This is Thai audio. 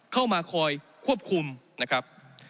เข้ามาคอยควบคุมนะครับ